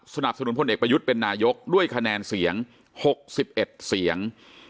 สนับสนุนพลเอกประยุทธ์เป็นนายกด้วยคะแนนเสียง๖๑เสียง